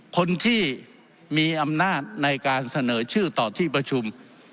คนที่มีอำนาจในการเสนอชื่อต่อที่ประชุม